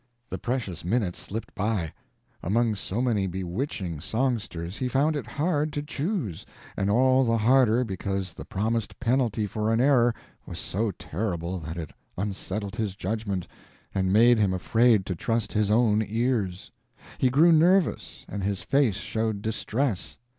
The precious minutes slipped by; among so many bewitching songsters he found it hard to choose, and all the harder because the promised penalty for an error was so terrible that it unsettled his judgment and made him afraid to trust his own ears. He grew nervous and his face showed distress.